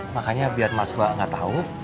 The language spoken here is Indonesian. makanya biar maksuha gak tau